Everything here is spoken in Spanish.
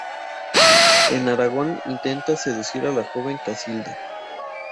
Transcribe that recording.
En Aragón intenta seducir a la joven Casilda.